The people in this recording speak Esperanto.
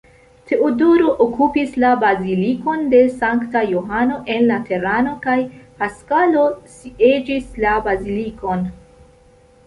Teodoro okupis la Bazilikon de Sankta Johano en Laterano kaj Paskalo sieĝis la bazilikon.